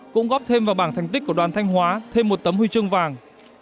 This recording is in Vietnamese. cũng góp thêm vào bảng thành tích của đoàn thanh hóa thêm một tấm huy chương vàng